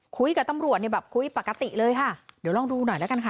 คุยกับตำรวจเนี่ยแบบคุยปกติเลยค่ะเดี๋ยวลองดูหน่อยแล้วกันค่ะ